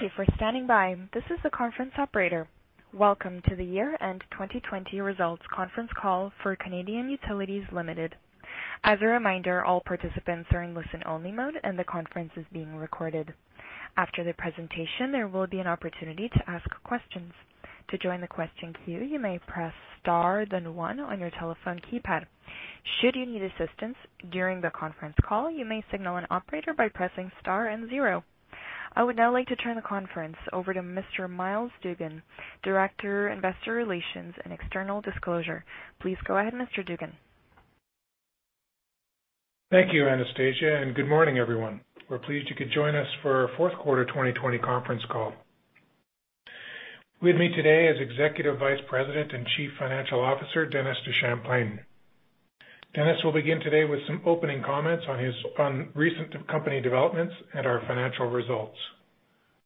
Thank you for standing by. This is the conference operator. Welcome to the Year-End 2020 Results Conference Call for Canadian Utilities Limited. As a reminder, all participants are in listen-only mode and the conference is being recorded. After the presentation, there will be an opportunity to ask questions. To join the question queue, you may press star then one on your telephone keypad. Should you need assistance during the conference call, you may signal an operator by pressing star and zero. I would now like to turn the conference over to Mr. Myles Dougan, Director, Investor Relations and External Disclosure. Please go ahead, Mr. Dougan. Thank you, Anastasia. Good morning, everyone. We're pleased you could join us for our fourth quarter 2020 conference call. With me today is Executive Vice President and Chief Financial Officer, Dennis DeChamplain. Dennis will begin today with some opening comments on recent company developments and our financial results.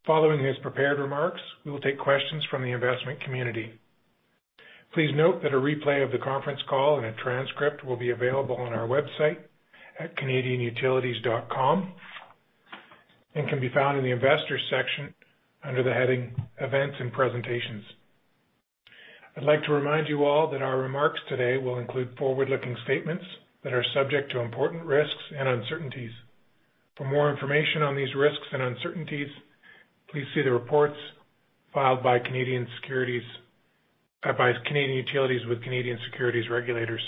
Following his prepared remarks, we will take questions from the investment community. Please note that a replay of the conference call and a transcript will be available on our website at canadianutilities.com and can be found in the investors section under the heading Events and Presentations. I'd like to remind you all that our remarks today will include forward-looking statements that are subject to important risks and uncertainties. For more information on these risks and uncertainties, please see the reports filed by Canadian Utilities with Canadian securities regulators.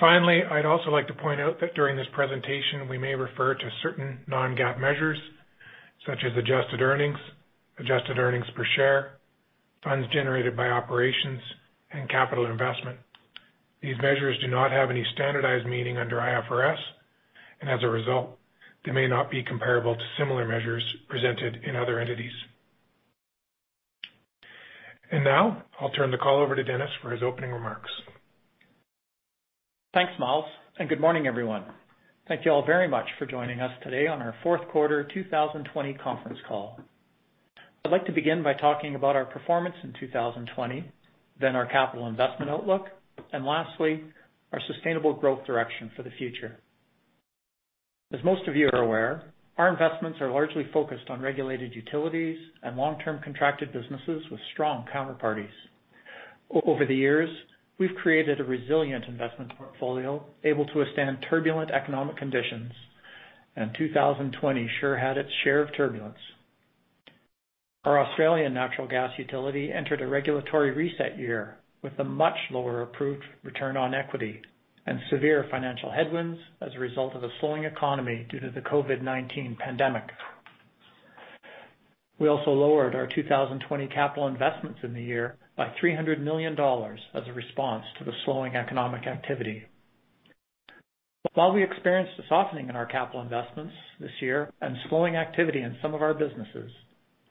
Finally, I'd also like to point out that during this presentation, we may refer to certain non-GAAP measures such as adjusted earnings, adjusted earnings per share, funds generated by operations, and capital investment. These measures do not have any standardized meaning under IFRS, and as a result, they may not be comparable to similar measures presented in other entities. Now I'll turn the call over to Dennis for his opening remarks. Thanks, Myles, good morning, everyone. Thank you all very much for joining us today on our fourth quarter 2020 conference call. I'd like to begin by talking about our performance in 2020, then our capital investment outlook, and lastly, our sustainable growth direction for the future. As most of you are aware, our investments are largely focused on regulated utilities and long-term contracted businesses with strong counterparties. Over the years, we've created a resilient investment portfolio able to withstand turbulent economic conditions, and 2020 sure had its share of turbulence. Our Australian natural gas utility entered a regulatory reset year with a much lower approved return on equity and severe financial headwinds as a result of a slowing economy due to the COVID-19 pandemic. We also lowered our 2020 capital investments in the year by 300 million dollars as a response to the slowing economic activity. While we experienced a softening in our capital investments this year and slowing activity in some of our businesses,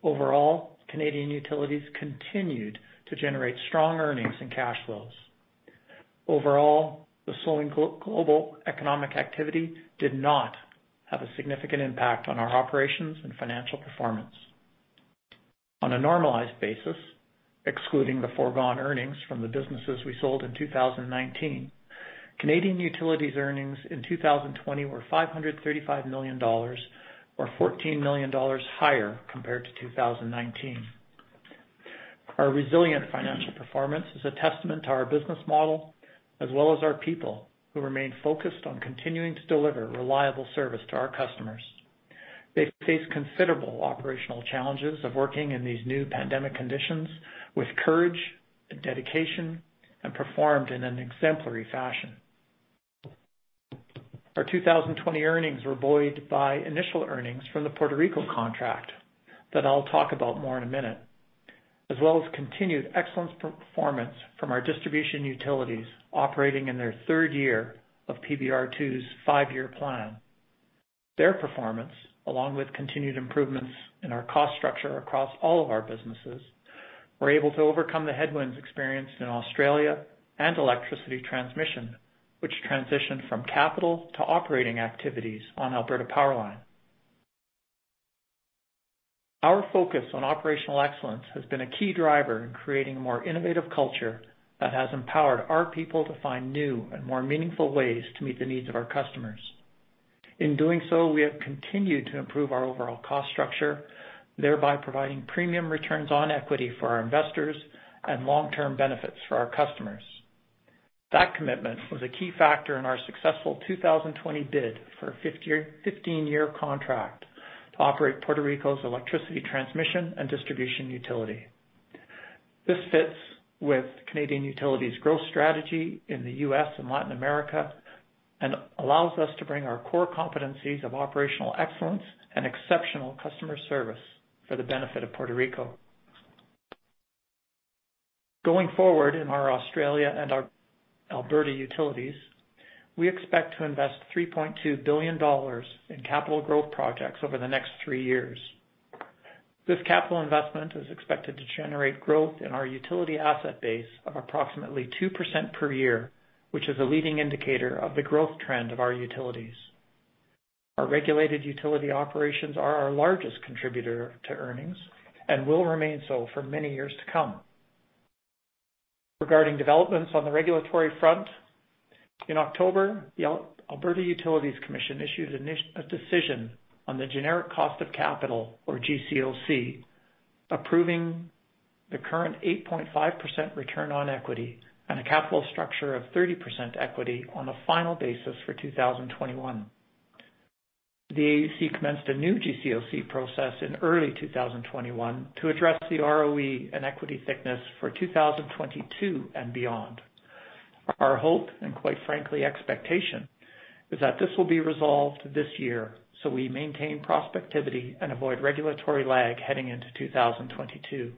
overall, Canadian Utilities continued to generate strong earnings and cash flows. Overall, the slowing global economic activity did not have a significant impact on our operations and financial performance. On a normalized basis, excluding the foregone earnings from the businesses we sold in 2019, Canadian Utilities earnings in 2020 were 535 million dollars, or 14 million dollars higher compared to 2019. Our resilient financial performance is a testament to our business model as well as our people, who remain focused on continuing to deliver reliable service to our customers. They face considerable operational challenges of working in these new pandemic conditions with courage and dedication and performed in an exemplary fashion. Our 2020 earnings were buoyed by initial earnings from the Puerto Rico contract that I'll talk about more in a minute, as well as continued excellent performance from our distribution utilities operating in their third year of PBR2's five-year plan. Their performance, along with continued improvements in our cost structure across all of our businesses, were able to overcome the headwinds experienced in Australia and electricity transmission, which transitioned from capital to operating activities on Alberta PowerLine. Our focus on operational excellence has been a key driver in creating a more innovative culture that has empowered our people to find new and more meaningful ways to meet the needs of our customers. In doing so, we have continued to improve our overall cost structure, thereby providing premium returns on equity for our investors and long-term benefits for our customers. That commitment was a key factor in our successful 2020 bid for a 15-year contract to operate Puerto Rico's electricity transmission and distribution utility. This fits with Canadian Utilities' growth strategy in the U.S. and Latin America and allows us to bring our core competencies of operational excellence and exceptional customer service for the benefit of Puerto Rico. Going forward in our Australia and our Alberta utilities, we expect to invest 3.2 billion dollars in capital growth projects over the next three years. This capital investment is expected to generate growth in our utility asset base of approximately 2% per year, which is a leading indicator of the growth trend of our utilities. Our regulated utility operations are our largest contributor to earnings and will remain so for many years to come. Regarding developments on the regulatory front, in October, the Alberta Utilities Commission issued a decision on the Generic Cost of Capital or GCOC, approving the current 8.5% return on equity and a capital structure of 30% equity on a final basis for 2021. The AUC commenced a new GCOC process in early 2021 to address the ROE and equity thickness for 2022 and beyond. Our hope, and quite frankly, expectation, is that this will be resolved this year, so we maintain prospectivity and avoid regulatory lag heading into 2022.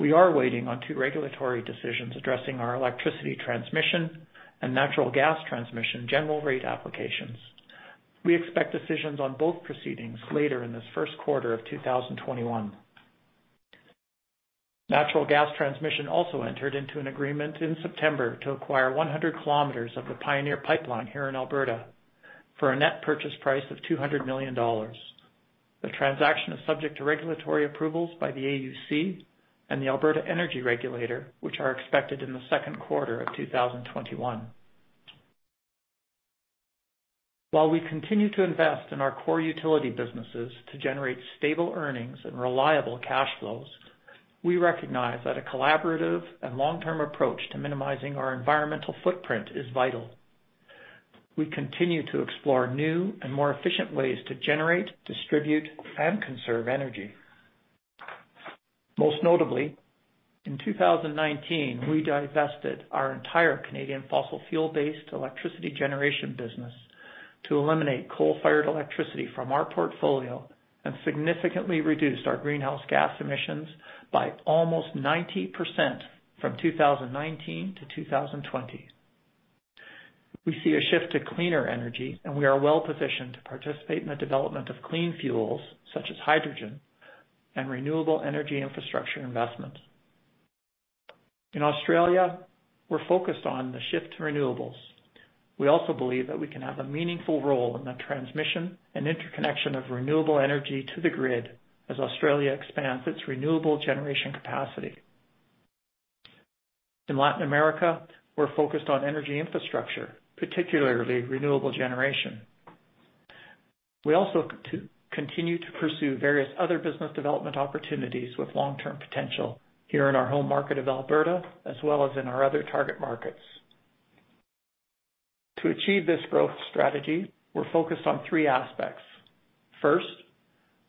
We are waiting on two regulatory decisions addressing our electricity transmission and natural gas transmission general rate applications. We expect decisions on both proceedings later in this first quarter of 2021. Natural gas transmission also entered into an agreement in September to acquire 100 km of the Pioneer Pipeline here in Alberta for a net purchase price of 200 million dollars. The transaction is subject to regulatory approvals by the AUC and the Alberta Energy Regulator, which are expected in the second quarter of 2021. We continue to invest in our core utility businesses to generate stable earnings and reliable cash flows, we recognize that a collaborative and long-term approach to minimizing our environmental footprint is vital. We continue to explore new and more efficient ways to generate, distribute, and conserve energy. Most notably, in 2019, we divested our entire Canadian fossil fuel-based electricity generation business to eliminate coal-fired electricity from our portfolio and significantly reduced our greenhouse gas emissions by almost 90% from 2019 to 2020. We see a shift to cleaner energy, and we are well-positioned to participate in the development of clean fuels such as hydrogen and renewable energy infrastructure investments. In Australia, we are focused on the shift to renewables. We also believe that we can have a meaningful role in the transmission and interconnection of renewable energy to the grid as Australia expands its renewable generation capacity. In Latin America, we are focused on energy infrastructure, particularly renewable generation. We also continue to pursue various other business development opportunities with long-term potential here in our home market of Alberta, as well as in our other target markets. To achieve this growth strategy, we are focused on three aspects. First,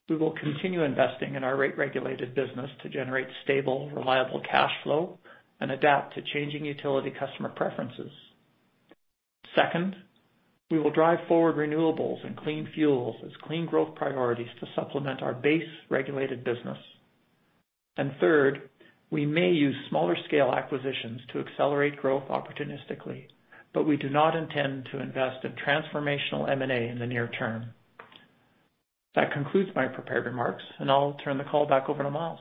we will continue investing in our rate-regulated business to generate stable, reliable cash flow and adapt to changing utility customer preferences. Second, we will drive forward renewables and clean fuels as clean growth priorities to supplement our base-regulated business. Third, we may use smaller-scale acquisitions to accelerate growth opportunistically, but we do not intend to invest in transformational M&A in the near term. That concludes my prepared remarks, and I'll turn the call back over to Myles.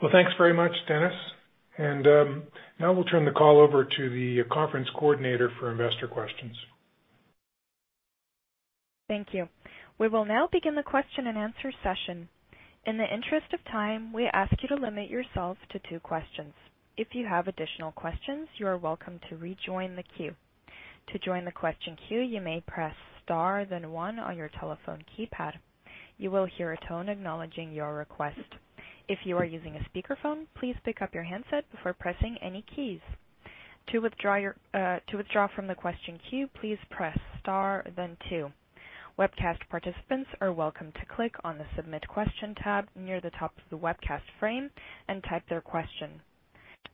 Well, thanks very much, Dennis. Now we'll turn the call over to the conference coordinator for investor questions. Thank you. We will now begin the question-and-answer session. In the interest of time, we ask you to limit yourselves to two questions. If you have additional questions, you are welcome to rejoin the queue. To join the question queue, you may press star then one on your telephone keypad. You will hear a tone acknowledging your request. If you are using a speakerphone, please pick up your handset before pressing any keys. To withdraw from the question queue, please press star then two. Webcast participants are welcome to click on the Submit Question tab near the top of the webcast frame and type their question.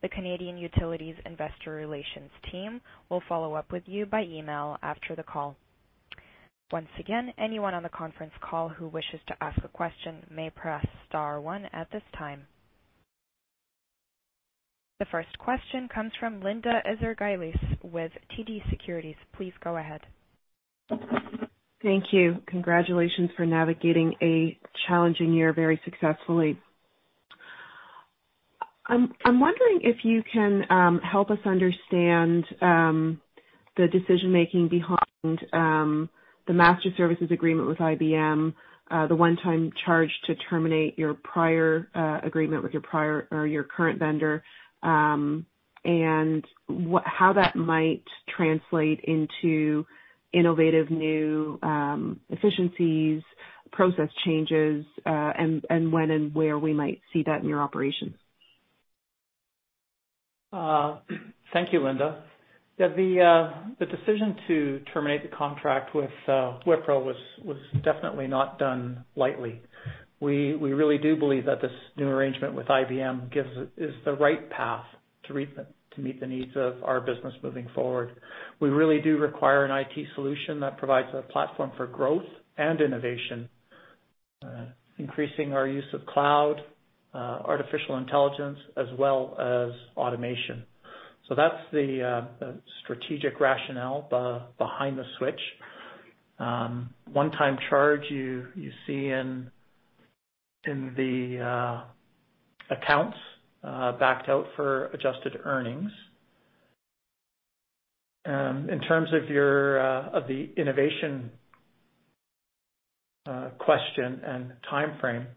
The Canadian Utilities investor relations team will follow up with you by email after the call. Once again, anyone on the conference call who wishes to ask a question may press star one at this time. The first question comes from Linda Ezergailis with TD Securities. Please go ahead. Thank you. Congratulations for navigating a challenging year very successfully. I'm wondering if you can help us understand the decision-making behind the Master Services Agreement with IBM, the one-time charge to terminate your prior agreement with your current vendor, and how that might translate into innovative new efficiencies, process changes, and when and where we might see that in your operations. Thank you, Linda. Yeah. The decision to terminate the contract with Wipro was definitely not done lightly. We really do believe that this new arrangement with IBM is the right path to meet the needs of our business moving forward. We really do require an IT solution that provides a platform for growth and innovation, increasing our use of cloud, artificial intelligence, as well as automation. That's the strategic rationale behind the switch. One-time charge you see in the accounts backed out for adjusted earnings. In terms of the innovation question and timeframe,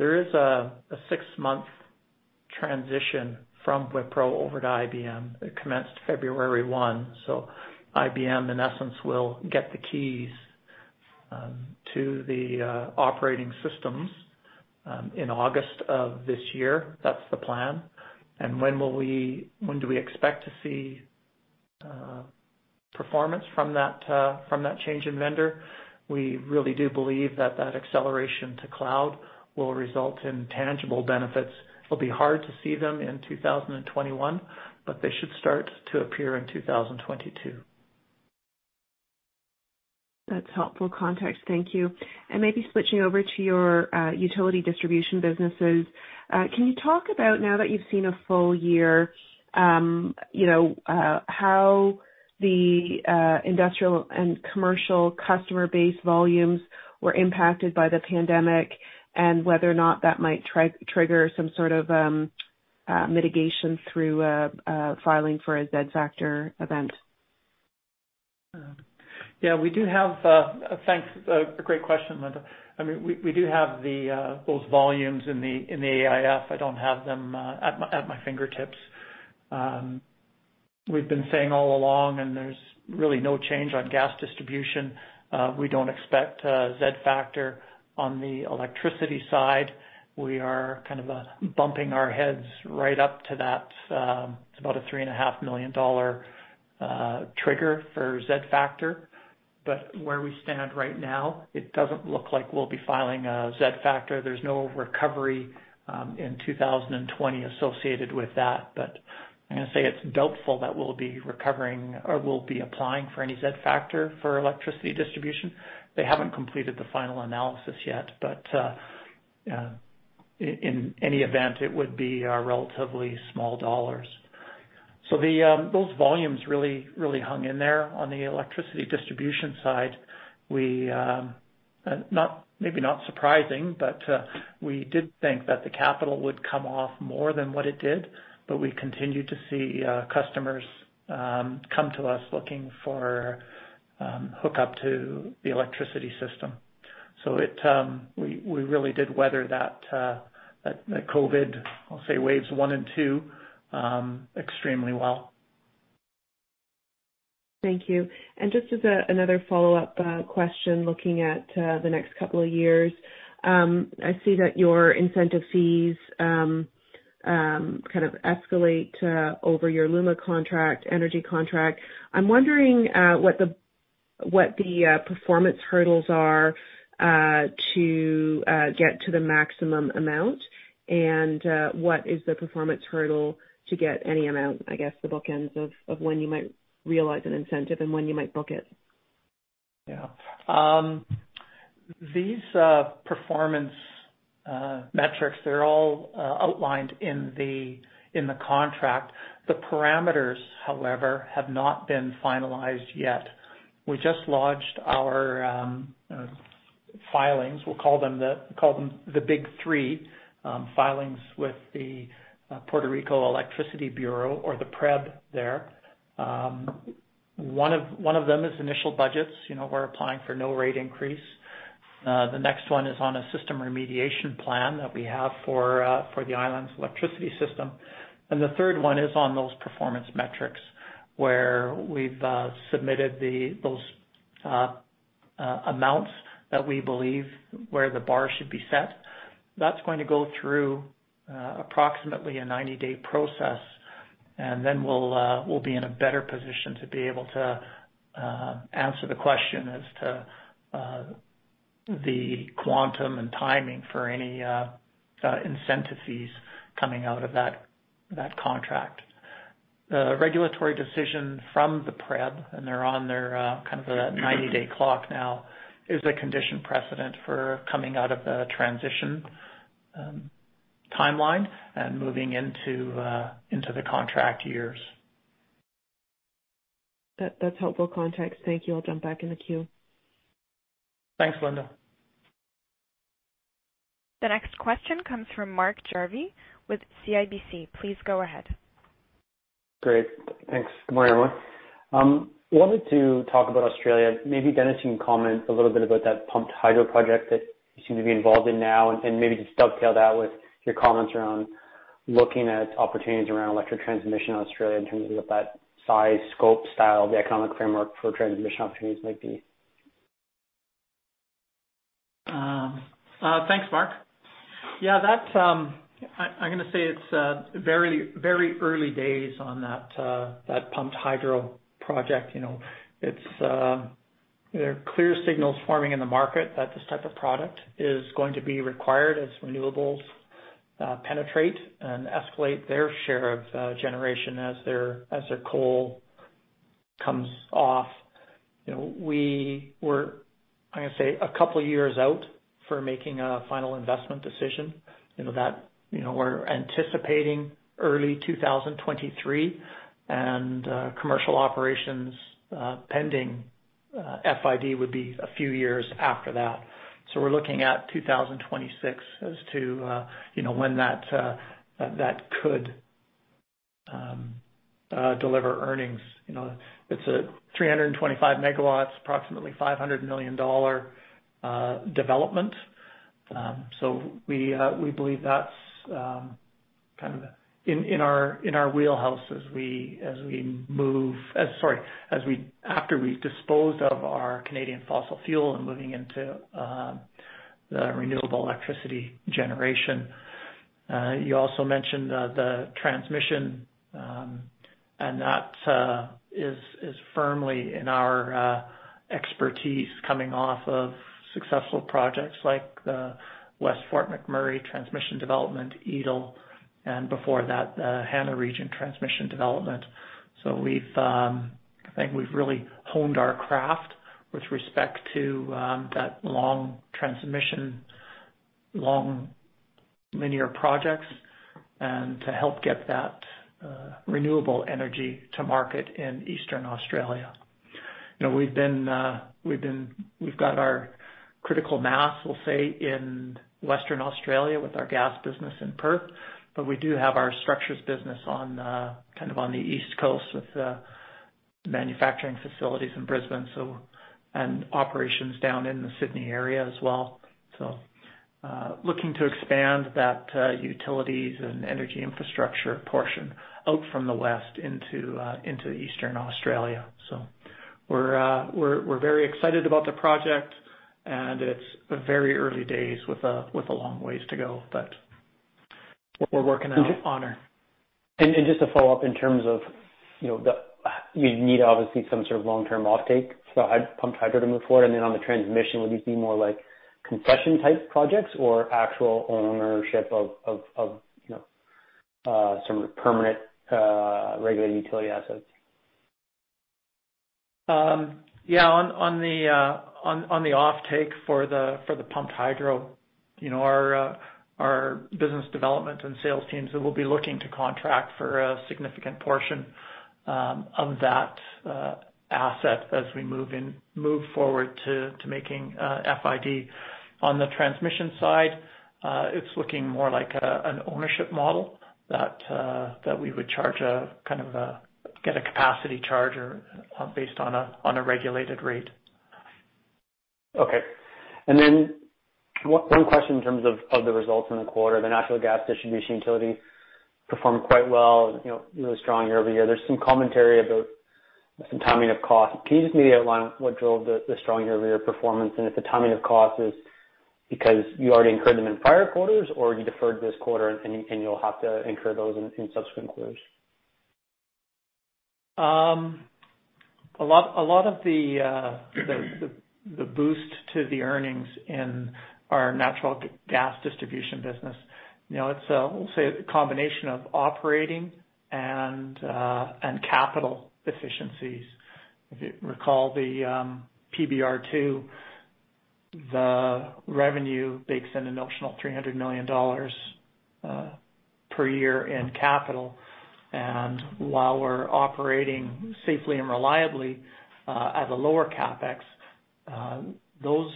there is a six-month transition from Wipro over to IBM. It commenced February 1. IBM, in essence, will get the keys to the Operating Systems in August of this year. That's the plan. When do we expect to see performance from that change in vendor? We really do believe that acceleration to cloud will result in tangible benefits. It'll be hard to see them in 2021, but they should start to appear in 2022. That's helpful context. Thank you. Maybe switching over to your utility distribution businesses, can you talk about, now that you've seen a full year, how the industrial and commercial customer base volumes were impacted by the pandemic, and whether or not that might trigger some sort of mitigation through filing for a Z-factor event? Yeah. Thanks. A great question, Linda. We do have those volumes in the AIF. I don't have them at my fingertips. We've been saying all along, and there's really no change on gas distribution. We don't expect a Z-factor on the electricity side. We are kind of bumping our heads right up to that. It's about a 3.5 million dollar trigger for Z-factor. Where we stand right now, it doesn't look like we'll be filing a Z-factor. There's no recovery in 2020 associated with that. I'm going to say it's doubtful that we'll be recovering or we'll be applying for any Z-factor for electricity distribution. They haven't completed the final analysis yet, but in any event, it would be relatively small dollars. Those volumes really hung in there on the electricity distribution side. Maybe not surprising, we did think that the capital would come off more than what it did. We continue to see customers come to us looking for hookup to the electricity system. We really did weather the COVID, I'll say waves one and two, extremely well. Thank you. Just as another follow-up question, looking at the next couple of years, I see that your incentive fees kind of escalate over your LUMA contract, energy contract. I'm wondering what the performance hurdles are to get to the maximum amount, what is the performance hurdle to get any amount, I guess, the bookends of when you might realize an incentive and when you might book it. Yeah. These performance metrics, they're all outlined in the contract. The parameters, however, have not been finalized yet. We just lodged our filings. We'll call them the big three filings with the Puerto Rico Energy Bureau or the PREB there. One of them is initial budgets. We're applying for no rate increase. The next one is on a system remediation plan that we have for the island's electricity system. The third one is on those performance metrics, where we've submitted those amounts that we believe where the bar should be set. That's going to go through approximately a 90-day process, and then we'll be in a better position to be able to answer the question as to the quantum and timing for any incentive fees coming out of that contract. The regulatory decision from the PREB, and they're on their 90-day clock now, is a condition precedent for coming out of the transition timeline and moving into the contract years. That's helpful context. Thank you. I'll jump back in the queue. Thanks, Linda. The next question comes from Mark Jarvi with CIBC. Please go ahead. Great. Thanks. Good morning, everyone. Wanted to talk about Australia. Maybe Dennis, you can comment a little bit about that pumped hydro project that you seem to be involved in now, and maybe just dovetail that with your comments around looking at opportunities around electric transmission in Australia in terms of what that size, scope, style, the economic framework for transmission opportunities might be. Thanks, Mark. I'm going to say it's very early days on that pumped hydro project. There are clear signals forming in the market that this type of product is going to be required as renewables penetrate and escalate their share of generation as their coal comes off. We were, I'm going to say, a couple of years out for making a final investment decision. We're anticipating early 2023 and commercial operations pending FID would be a few years after that. We're looking at 2026 as to when that could deliver earnings. It's a 325 MW, approximately CAD 500 million development. We believe that's in our wheelhouse as we move Sorry, after we've disposed of our Canadian fossil fuel and moving into the renewable electricity generation. You also mentioned the transmission. That is firmly in our expertise coming off of successful projects like the West Fort McMurray transmission development, EATL, and before that, the Hanna Region Transmission Development. I think we've really honed our craft with respect to that long transmission, long linear projects and to help get that renewable energy to market in Eastern Australia. We've got our critical mass, we'll say, in Western Australia with our gas business in Perth. We do have our structures business on the East Coast with manufacturing facilities in Brisbane and operations down in the Sydney area as well. Looking to expand that utilities and energy infrastructure portion out from the West into Eastern Australia. We're very excited about the project, and it's very early days with a long ways to go, but we're working on it. Just a follow-up in terms of, you need obviously some sort of long-term offtake for the pumped hydro to move forward. On the transmission, would these be more like concession-type projects or actual ownership of some permanent regulated utility assets? Yeah, on the offtake for the pumped hydro, our business development and sales teams will be looking to contract for a significant portion of that asset as we move forward to making FID. On the transmission side, it's looking more like an ownership model that we would get a capacity charge based on a regulated rate. Okay. One question in terms of the results in the quarter. The natural gas distribution utility performed quite well, really strong year-over-year. There's some commentary about some timing of cost. Can you just maybe outline what drove the strong year-over-year performance, and if the timing of cost is because you already incurred them in prior quarters or you deferred this quarter and you'll have to incur those in subsequent quarters? A lot of the boost to the earnings in our natural gas distribution business, we'll say it's a combination of operating and capital efficiencies. If you recall the PBR2, the revenue bakes in an optional 300 million dollars per year in capital. While we're operating safely and reliably at a lower CapEx, those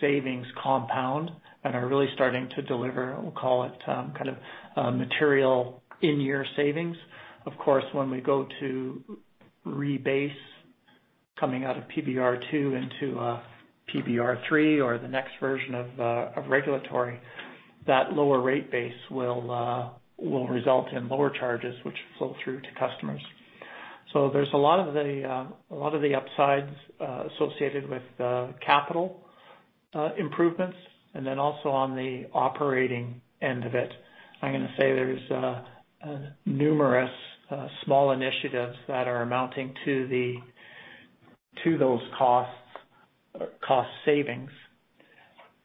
savings compound and are really starting to deliver, we'll call it, material in-year savings. Of course, when we go to rebase coming out of PBR2 into PBR3 or the next version of regulatory, that lower rate base will result in lower charges which flow through to customers. There's a lot of the upsides associated with capital improvements. Then also on the operating end of it, I'm going to say there's numerous small initiatives that are amounting to those cost savings.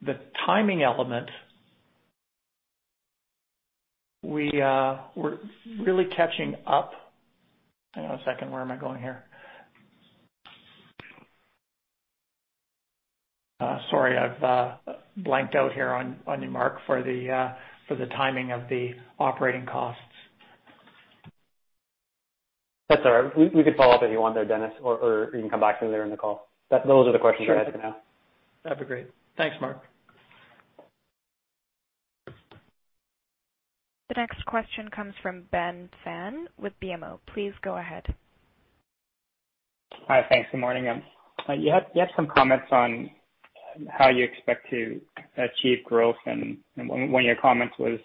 The timing element, we're really catching up. Hang on a second, where am I going here? Sorry, I've blanked out here on you, Mark, for the timing of the operating costs. That's all right. We could follow up if you want there, Dennis, or you can come back to me later in the call. Those are the questions I had for now. That'd be great. Thanks, Mark. The next question comes from Ben Pham with BMO. Please go ahead. Hi. Thanks. Good morning. You had some comments on how you expect to achieve growth and one of your comments was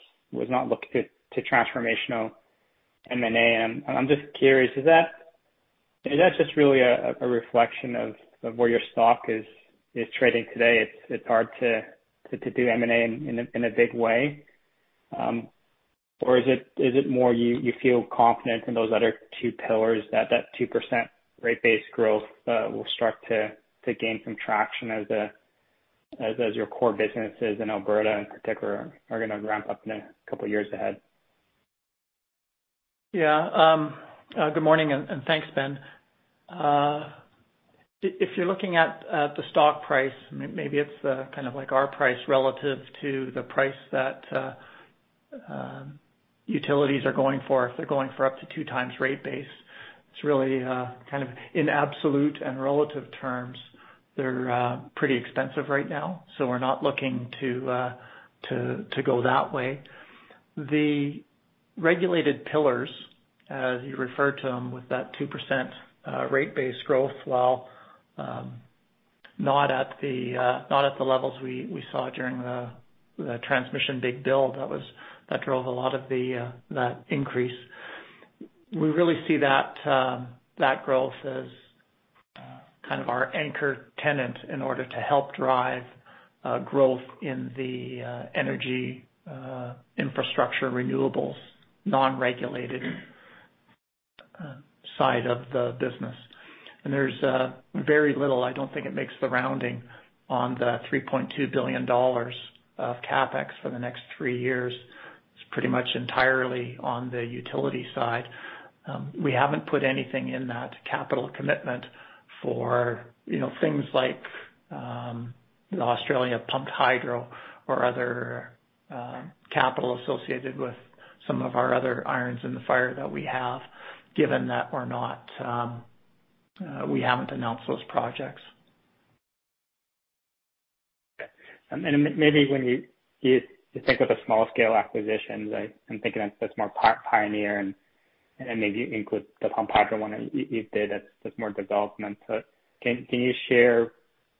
not looking to transformational M&A. I'm just curious, is that just really a reflection of where your stock is trading today? It's hard to do M&A in a big way. Or is it more you feel confident in those other two pillars that 2% rate base growth will start to gain some traction as your core businesses in Alberta in particular are going to ramp up in a couple of years ahead? Good morning, and thanks, Ben. If you're looking at the stock price, maybe it's like our price relative to the price Utilities are going for up to two times rate base. It's really in absolute and relative terms. They're pretty expensive right now, we're not looking to go that way. The regulated pillars, as you refer to them, with that 2% rate base growth, while not at the levels we saw during the transmission big build that drove a lot of that increase. We really see that growth as kind of our anchor tenant in order to help drive growth in the energy infrastructure renewables, non-regulated side of the business. There's very little, I don't think it makes the rounding on the 3.2 billion dollars of CapEx for the next three years. It's pretty much entirely on the utility side. We haven't put anything in that capital commitment for things like the Australia pumped hydro or other capital associated with some of our other irons in the fire that we have, given that we haven't announced those projects. Okay. Maybe when you think of the small-scale acquisitions, I'm thinking that's more Pioneer and maybe include the Pumped Hydro one you did, that's more development. Can you share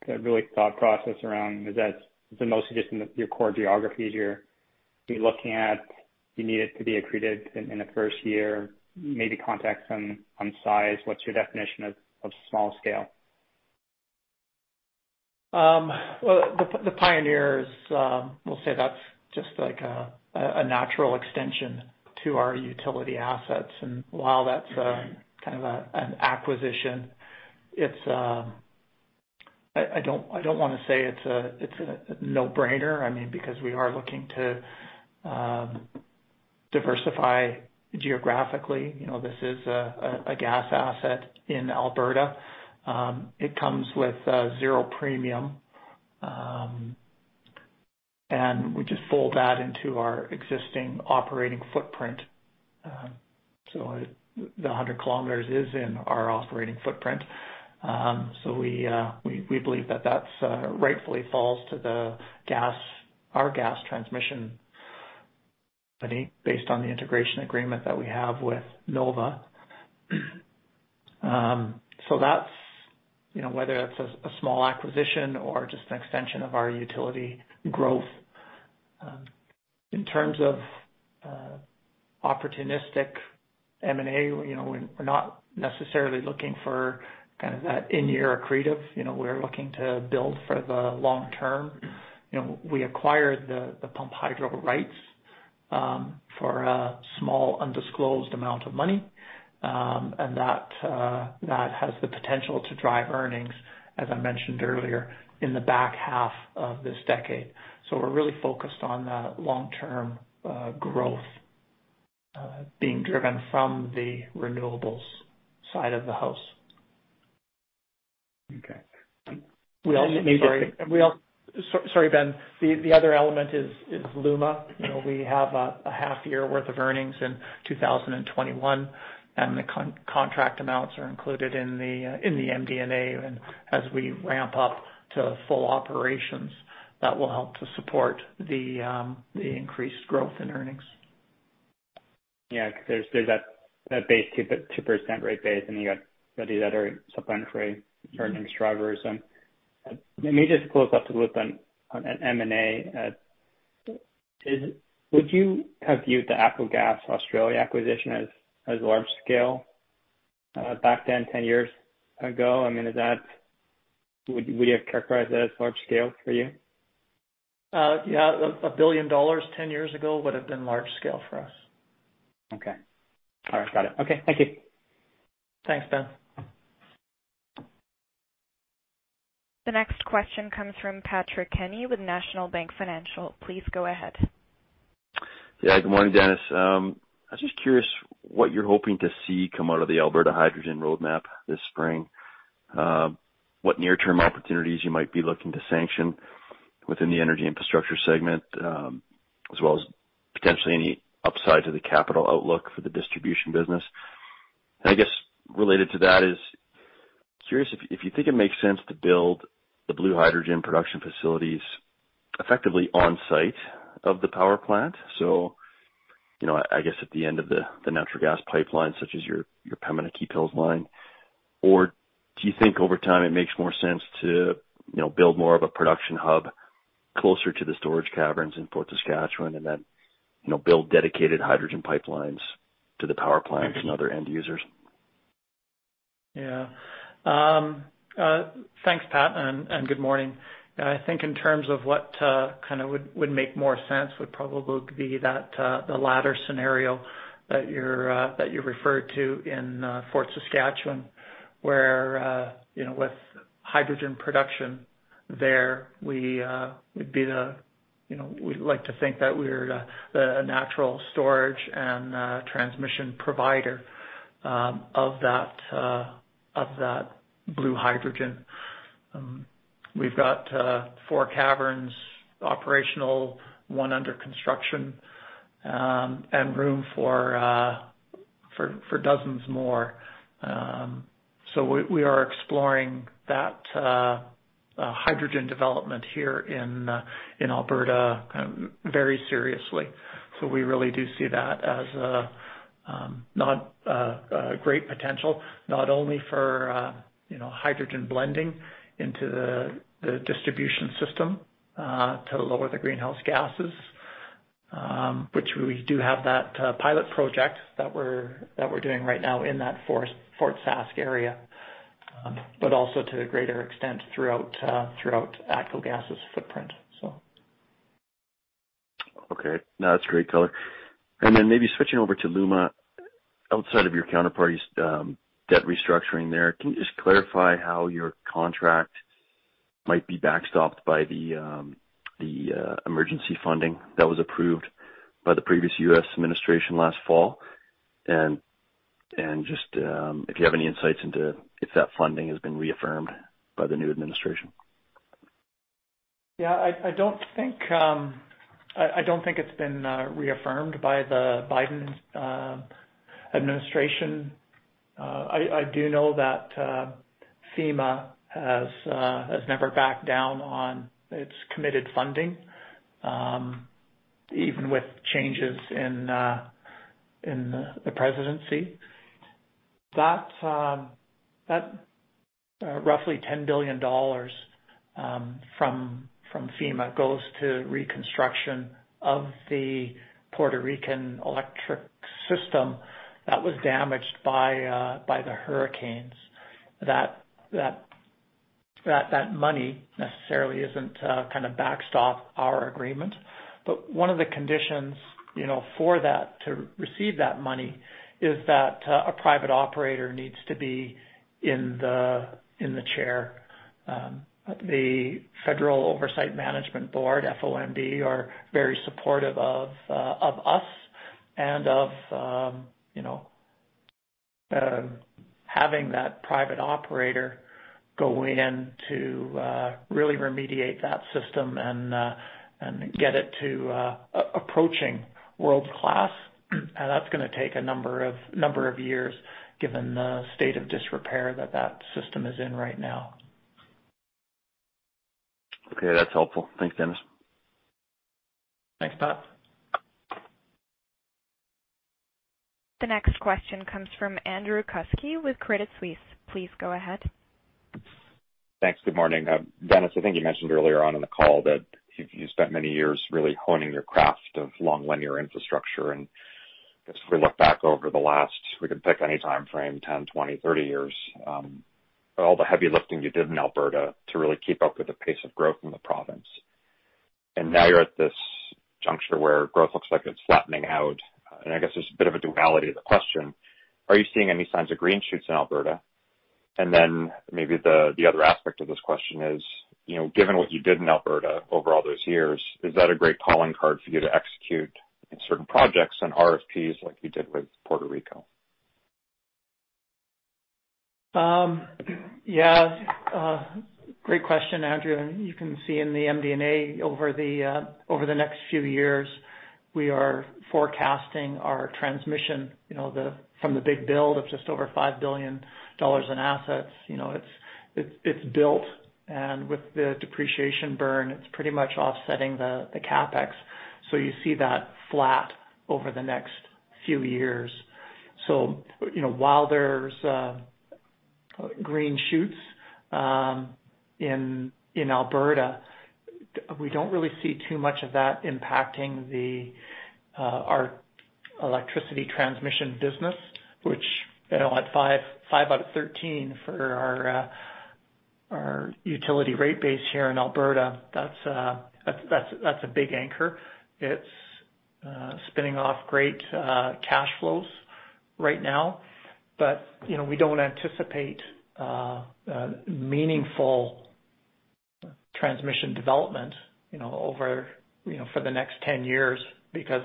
the really thought process around, is that mostly just in your core geographies you're looking at, you need it to be accreted in the first year, maybe context on size. What's your definition of small scale? Well, the Pioneer, we'll say that's just a natural extension to our utility assets. While that's kind of an acquisition, I don't want to say it's a no-brainer because we are looking to diversify geographically. This is a gas asset in Alberta. It comes with zero premium. We just fold that into our existing operating footprint. The 100 km is in our operating footprint. We believe that rightfully falls to our gas transmission based on the integration agreement that we have with NOVA, whether that's a small acquisition or just an extension of our utility growth. In terms of opportunistic M&A, we're not necessarily looking for that in-year accretive. We're looking to build for the long term. We acquired the Pumped Hydro rights for a small, undisclosed amount of money. That has the potential to drive earnings, as I mentioned earlier, in the back half of this decade. We're really focused on the long-term growth being driven from the renewables side of the house. Okay. Sorry, Ben. The other element is LUMA. We have a half year worth of earnings in 2021. The contract amounts are included in the MD&A. As we ramp up to full operations, that will help to support the increased growth in earnings. Yeah, because there's that base 2% rate base, and you got these other supplementary earning drivers. Let me just close up the loop on M&A. Would you have viewed the ATCO Gas Australia acquisition as large scale back then 10 years ago? Would you have characterized that as large scale for you? Yeah. 1 billion dollars 10 years ago would have been large scale for us. Okay. All right. Got it. Okay. Thank you. Thanks, Ben. The next question comes from Patrick Kenny with National Bank Financial. Please go ahead. Yeah. Good morning, Dennis. I was just curious what you're hoping to see come out of the Alberta Hydrogen Roadmap this spring. What near-term opportunities you might be looking to sanction within the energy infrastructure segment, as well as potentially any upside to the capital outlook for the distribution business? I guess related to that is, curious if you think it makes sense to build the blue hydrogen production facilities effectively on site of the power plant. I guess at the end of the natural gas pipeline, such as your Pembina-Keephills line, or do you think over time it makes more sense to build more of a production hub closer to the storage caverns in Fort Saskatchewan and then build dedicated hydrogen pipelines to the power plants and other end users? Yeah. Thanks, Pat, and good morning. I think in terms of what would make more sense would probably be the latter scenario that you referred to in Fort Saskatchewan, where with hydrogen production there, we'd like to think that we're the natural storage and transmission provider of that blue hydrogen. We've got four caverns operational, one under construction, and room for dozens more. We are exploring that hydrogen development here in Alberta very seriously. We really do see that as a great potential, not only for hydrogen blending into the distribution system to lower the greenhouse gases, which we do have that pilot project that we're doing right now in that Fort Sask area. Also, to a greater extent throughout ATCO Gas's footprint. Okay. No, that's great color. Maybe switching over to LUMA, outside of your counterparties debt restructuring there, can you just clarify how your contract might be backstopped by the emergency funding that was approved by the previous U.S. administration last fall? If you have any insights into if that funding has been reaffirmed by the new administration. Yeah, I don't think it's been reaffirmed by the Biden administration. I do know that FEMA has never backed down on its committed funding, even with changes in the presidency. That roughly 10 billion dollars from FEMA goes to reconstruction of the Puerto Rican electric system that was damaged by the hurricanes. That money necessarily isn't kind of backstop our agreement. One of the conditions for that to receive that money is that a private operator needs to be in the chair. The Federal Oversight Management Board, FOMB, are very supportive of us and of having that private operator go in to really remediate that system and get it to approaching world-class. That's going to take a number of years given the state of disrepair that that system is in right now. Okay. That's helpful. Thanks, Dennis. Thanks, Pat. The next question comes from Andrew Kuske with Credit Suisse. Please go ahead. Thanks. Good morning. Dennis, I think you mentioned earlier on in the call that you spent many years really honing your craft of long linear infrastructure. I guess if we look back over the last, we could pick any timeframe, 10, 20, 30 years, all the heavy lifting you did in Alberta to really keep up with the pace of growth in the province. Now you're at this juncture where growth looks like it's flattening out. I guess there's a bit of a duality to the question. Are you seeing any signs of green shoots in Alberta? Then maybe the other aspect of this question is, given what you did in Alberta over all those years, is that a great calling card for you to execute in certain projects and RFPs like you did with Puerto Rico? Great question, Andrew. You can see in the MD&A over the next few years, we are forecasting our transmission from the big build of just over 5 billion dollars in assets. It's built and with the depreciation burn, it's pretty much offsetting the CapEx. You see that flat over the next few years. While there's green shoots in Alberta, we don't really see too much of that impacting our electricity transmission business, which at five out of 13 for our utility rate base here in Alberta, that's a big anchor. It's spinning off great cash flows right now. We don't anticipate meaningful transmission development for the next 10 years because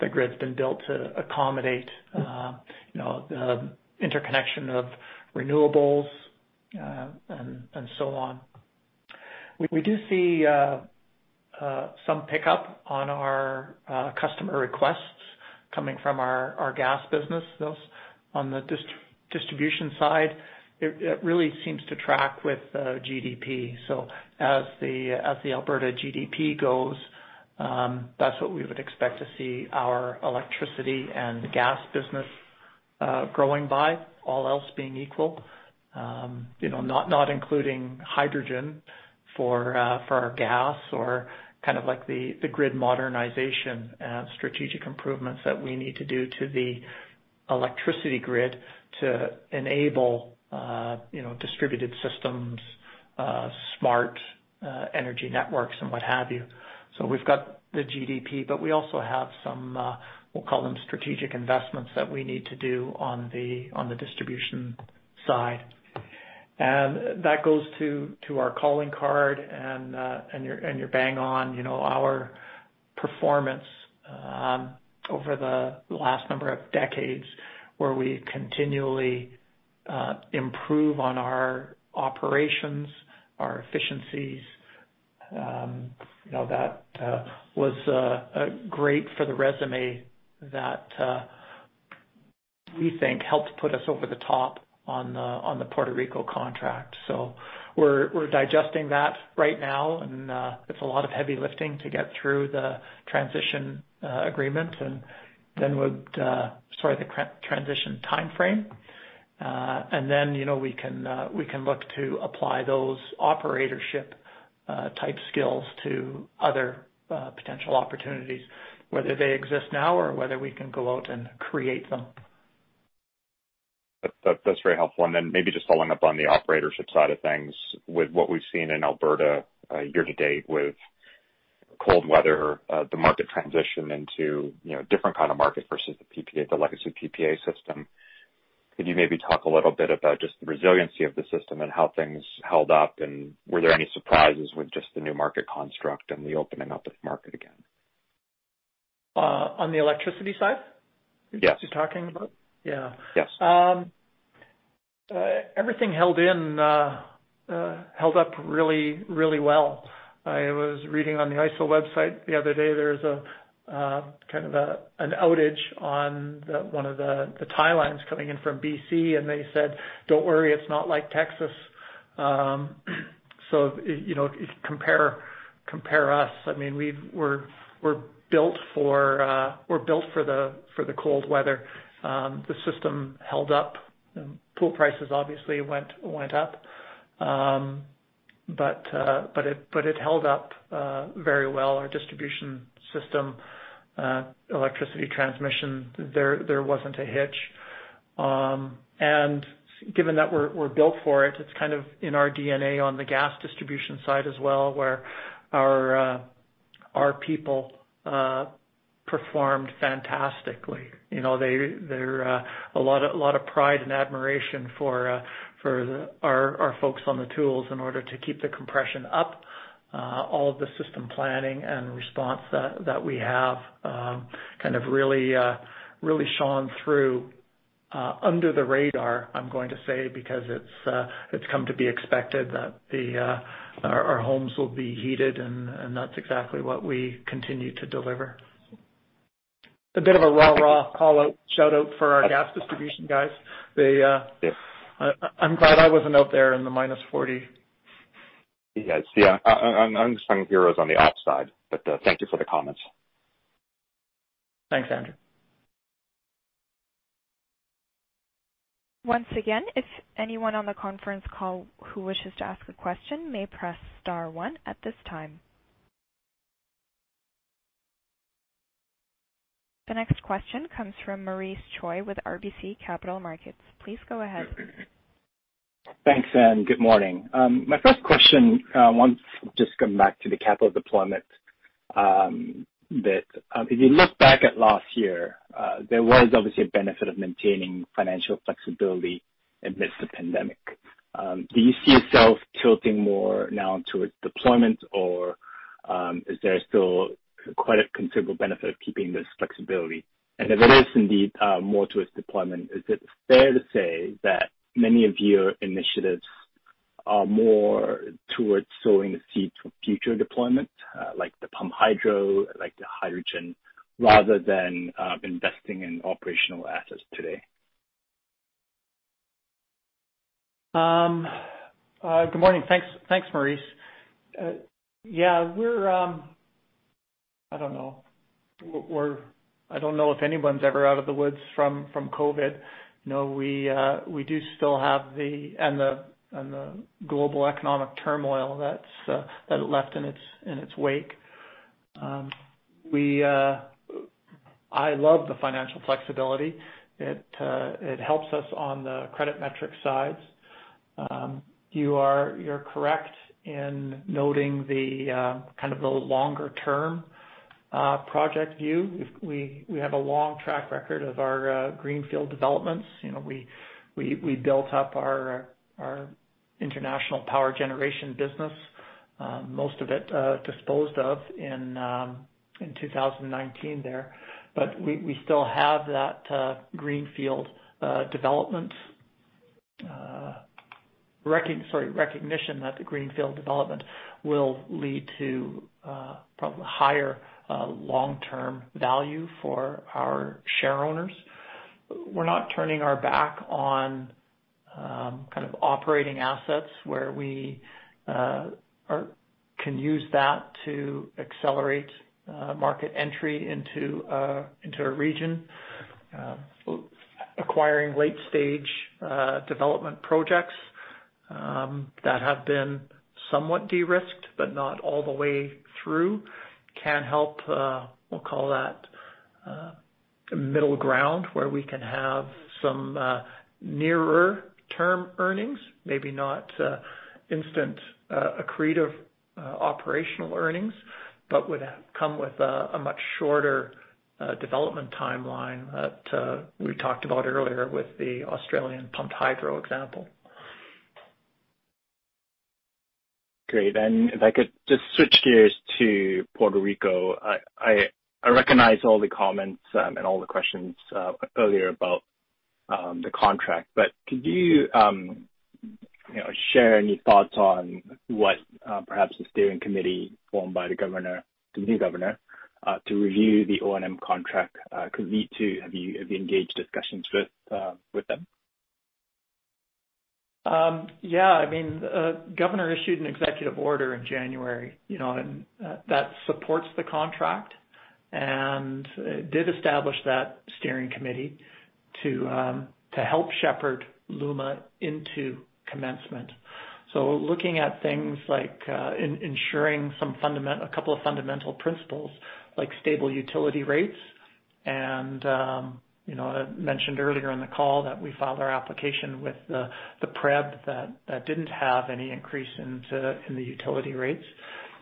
the grid's been built to accommodate the interconnection of renewables, and so on. We do see some pickup on our customer requests coming from our gas business, on the distribution side. It really seems to track with GDP. As the Alberta GDP goes, that's what we would expect to see our electricity and the gas business growing by, all else being equal. Not including hydrogen for our gas or kind of like the grid modernization and strategic improvements that we need to do to the electricity grid to enable distributed systems, smart energy networks, and what have you. We've got the GDP, but we also have some, we'll call them strategic investments that we need to do on the distribution side. That goes to our calling card and you're bang on, our performance over the last number of decades where we continually improve on our operations, our efficiencies. That was great for the resume that we think helped put us over the top on the Puerto Rico contract. We're digesting that right now and it's a lot of heavy lifting to get through the transition agreement and then we'll start the transition timeframe. We can look to apply those operatorship-type skills to other potential opportunities, whether they exist now or whether we can go out and create them. That's very helpful. Then maybe just following up on the operatorship side of things. With what we've seen in Alberta year-to-date with cold weather, the market transition into a different kind of market versus the PPA, the legacy PPA system. Could you maybe talk a little bit about just the resiliency of the system and how things held up, and were there any surprises with just the new market construct and the opening up of market again? On the electricity side. Yes. Is what you're talking about? Yeah. Yes. Everything held up really well. I was reading on the AESO website the other day, there is an outage on one of the tie lines coming in from BC, and they said, "Don't worry, it is not like Texas." Compare us. We are built for the cold weather. The system held up. Pool prices obviously went up. It held up very well. Our distribution system, electricity transmission, there was not a hitch. Given that we are built for it is kind of in our DNA on the gas distribution side as well, where our people performed fantastically. A lot of pride and admiration for our folks on the tools in order to keep the compression up. All of the system planning and response that we have really shone through under the radar, I'm going to say, because it's come to be expected that our homes will be heated and that's exactly what we continue to deliver. A bit of a rah-rah call-out, shout-out for our gas distribution guys. Yes. I'm glad I wasn't out there in the -40. Yes. I understand here's on the ops side, but thank you for the comments. Thanks, Andrew. Once again, if anyone on the conference call who wishes to ask a question may press star one at this time. The next question comes from Maurice Choy with RBC Capital Markets. Please go ahead. Thanks, and good morning. My first question, I want to just come back to the capital deployment. That if you look back at last year, there was obviously a benefit of maintaining financial flexibility amidst the pandemic. Do you see yourself tilting more now towards deployment, or is there still quite a considerable benefit of keeping this flexibility? If there is indeed more towards deployment, is it fair to say that many of your initiatives are more towards sowing the seed for future deployment, like the pump hydro, like the hydrogen, rather than investing in operational assets today. Good morning. Thanks, Maurice. Yeah. I don't know if anyone's ever out of the woods from COVID. We do still have the global economic turmoil that it left in its wake. I love the financial flexibility. It helps us on the credit metric sides. You're correct in noting the longer-term project view. We have a long track record of our greenfield developments. We built up our international power generation business. Most of it disposed of in 2019 there. We still have that greenfield development. Sorry, recognition that the greenfield development will lead to probably higher long-term value for our share owners. We're not turning our back on operating assets where we can use that to accelerate market entry into a region. Acquiring late-stage development projects that have been somewhat de-risked but not all the way through can help, we'll call that, a middle ground where we can have some nearer-term earnings, maybe not instant accretive operational earnings, but would come with a much shorter development timeline that we talked about earlier with the Australian pump hydro example. Great. If I could just switch gears to Puerto Rico. I recognize all the comments and all the questions earlier about the contract, but could you share any thoughts on what perhaps the steering committee formed by the new governor to review the O&M contract could lead to? Have you engaged discussions with them? Yeah. The governor issued an executive order in January. That supports the contract and did establish that steering committee to help shepherd LUMA into commencement. Looking at things like ensuring a couple of fundamental principles, like stable utility rates. I mentioned earlier in the call that we filed our application with the PREB that didn't have any increase in the utility rates,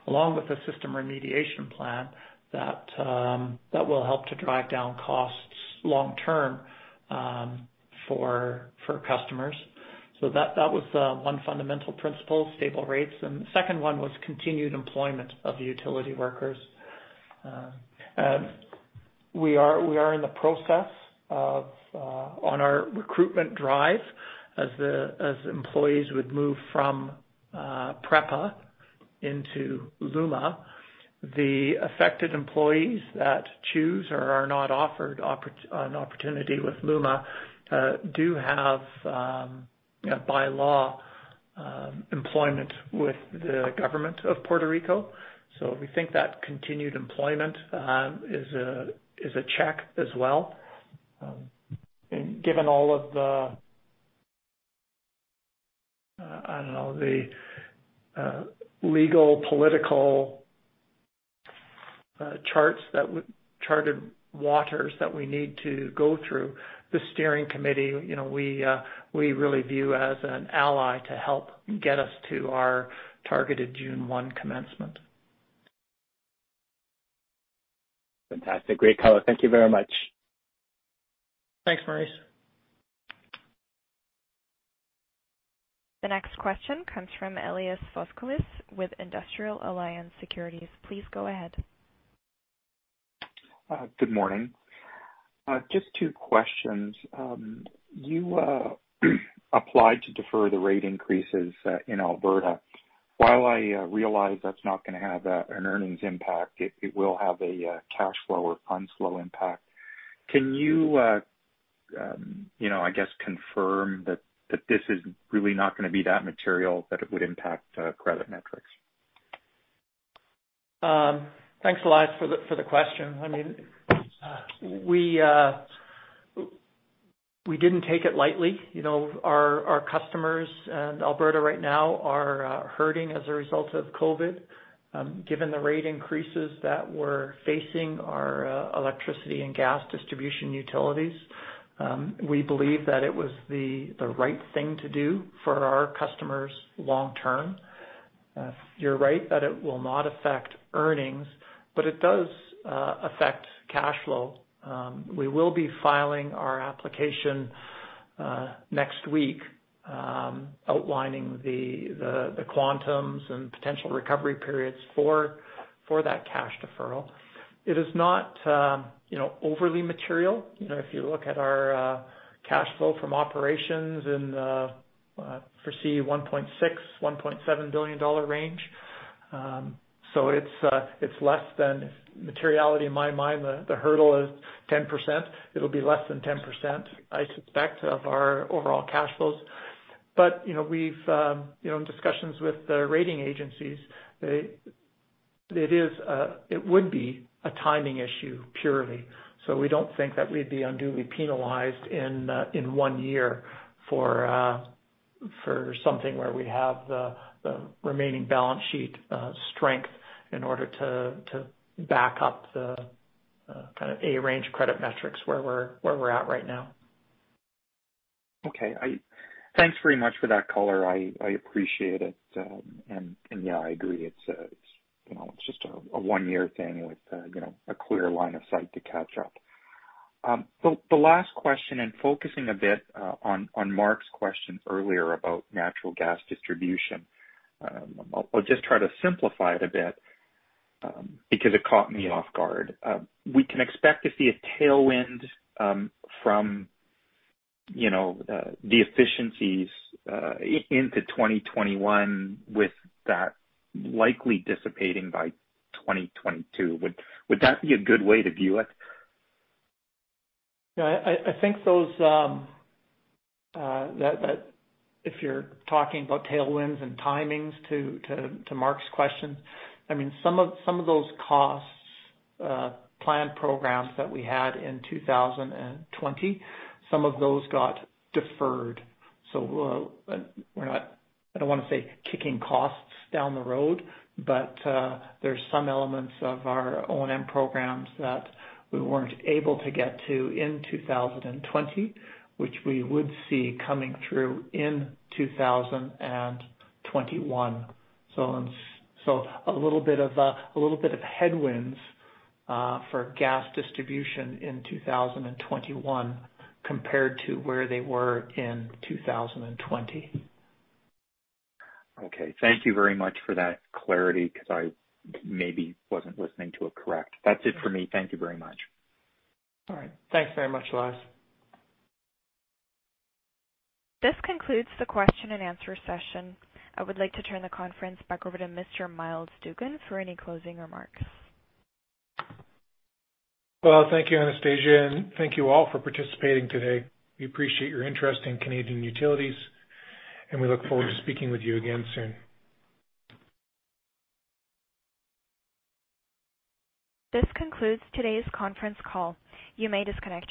along with the system remediation plan that will help to drive down costs long-term for customers. That was one fundamental principle, stable rates, and the second one was continued employment of the utility workers. We are in the process of our recruitment drive as employees would move from PREPA into LUMA. The affected employees that choose or are not offered an opportunity with LUMA do have, by law, employment with the government of Puerto Rico. We think that continued employment is a check as well. Given all of the legal, political charted waters that we need to go through, the steering committee, we really view as an ally to help get us to our targeted June 1 commencement. Fantastic. Great color. Thank you very much. Thanks, Maurice. The next question comes from Elias Foscolos with Industrial Alliance Securities. Please go ahead. Good morning. Just two questions. You applied to defer the rate increases in Alberta. While I realize that's not going to have an earnings impact, it will have a cash flow or funds flow impact. Can you, I guess, confirm that this is really not going to be that material that it would impact credit metrics? Thanks, Elias, for the question. We didn't take it lightly. Our customers in Alberta right now are hurting as a result of COVID. Given the rate increases that we're facing our electricity and gas distribution utilities, we believe that it was the right thing to do for our customers long-term. It will not affect earnings, it does affect cash flow. We will be filing our application next week outlining the quantums and potential recovery periods for that cash deferral. It is not overly material. If you look at our cash flow from operations and foresee 1.6 billion-1.7 billion dollar range. It is less than materiality. In my mind, the hurdle is 10%. It'll be less than 10%, I suspect, of our overall cash flows. In discussions with the rating agencies, it would be a timing issue purely. We don't think that we'd be unduly penalized in one year for something where we have the remaining balance sheet strength in order to back up the A-range credit metrics where we're at right now. Okay. Thanks very much for that color. I appreciate it. Yeah, I agree. It's just a one-year thing with a clear line of sight to catch up. The last question focusing a bit on Mark's question earlier about natural gas distribution. I'll just try to simplify it a bit because it caught me off guard. We can expect to see a tailwind from the efficiencies into 2021 with that likely dissipating by 2022. Would that be a good way to view it? Yeah. If you're talking about tailwinds and timings to Mark's question, some of those costs planned programs that we had in 2020, some of those got deferred. I don't want to say kicking costs down the road, but there's some elements of our O&M programs that we weren't able to get to in 2020, which we would see coming through in 2021. A little bit of headwinds for gas distribution in 2021 compared to where they were in 2020. Okay. Thank you very much for that clarity because I maybe wasn't listening to it correct. That's it for me. Thank you very much. All right. Thanks very much, Elias. This concludes the question-and-answer session. I would like to turn the conference back over to Mr. Myles Dougan for any closing remarks. Well, thank you, Anastasia, and thank you all for participating today. We appreciate your interest in Canadian Utilities, and we look forward to speaking with you again soon. This concludes today's conference call. You may disconnect.